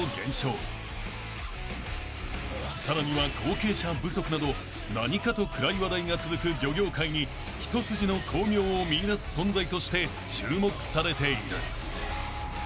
［さらには後継者不足など何かと暗い話題が続く漁業界に一筋の光明を見いだす存在として注目されている］